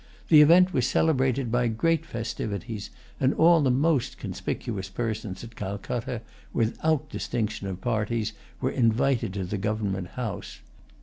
The event was celebrated by great festivities; and all the most conspicuous persons at Calcutta, without distinction of parties, were invited to the Government House.